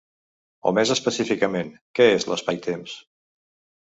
O més específicament: què és l'espaitemps?